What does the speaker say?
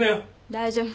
大丈夫。